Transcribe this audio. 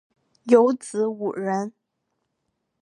有子五人